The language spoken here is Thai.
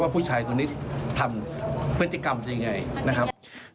ว่าผู้ชายตัวนี้ทำพฤติกรรมได้อย่างไรนะครับ